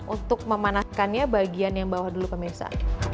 untuk memanaskannya bagian yang bawah dulu pemirsa